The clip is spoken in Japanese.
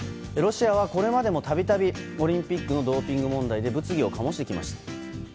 ロシアは、これまでも度々オリンピックのドーピング問題で物議を醸してきました。